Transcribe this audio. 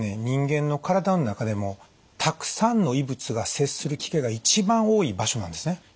人間の体の中でもたくさんの異物が接する機会が一番多い場所なんですね。